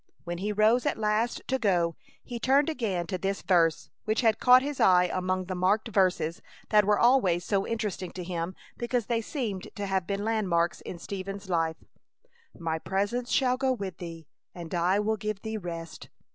When he rose at last to go he turned again to this verse which had caught his eye among the marked verses that were always so interesting to him because they seemed to have been landmarks in Stephen's life: My presence shall go with thee, and I will give thee rest.